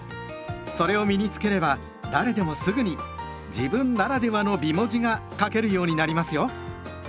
それを身に付ければ誰でもすぐに「自分ならではの美文字」が書けるようになりますよ。